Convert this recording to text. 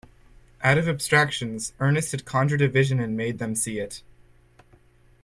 Out of abstractions Ernest had conjured a vision and made them see it.